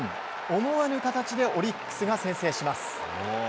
思わぬ形でオリックスが先制します。